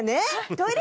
トイレ